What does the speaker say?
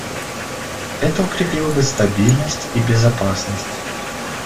Это укрепило бы стабильность и безопасность.